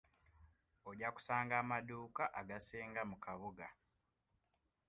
Ojja kusanga amaduuka agasinga mu kabuga.